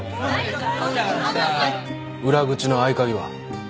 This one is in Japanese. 裏口の合鍵は？